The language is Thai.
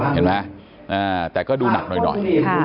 เห็นไหมแต่ก็ดูหนักหน่อย